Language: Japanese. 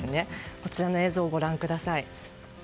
こちらの映像、ご覧ください。